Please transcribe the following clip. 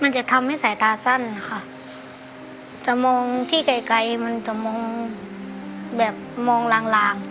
จะทำให้สายตาสั้นค่ะจะมองที่ไกลไกลมันจะมองแบบมองลางลาง